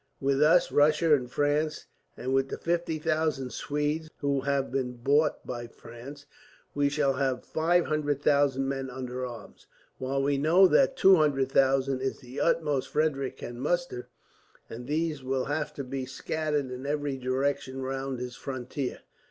"With us, Russia, and France, and with the 50,000 Swedes who have been bought by France, we shall have 500,000 men under arms; while we know that 200,000 is the utmost Frederick can muster, and these will have to be scattered in every direction round his frontier."